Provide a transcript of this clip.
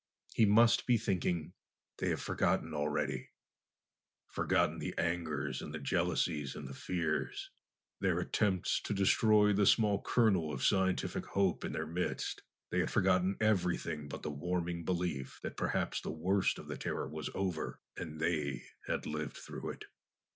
He must be thinking: they have forgotten already, forgotten the angers and the jealousies and the fears, their attempts to destroy the small kernel of scientific hope in their midst. They had forgotten everything but the warming belief that perhaps the worst of the terror was over and they had lived through it.